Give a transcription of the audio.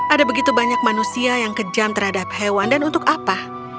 ada begitu banyak manusia yang kejam terhadap hewan dan untuk apa